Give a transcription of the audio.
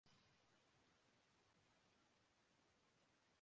تبدیلی کے خیال کو نا پسند کرتا ہوں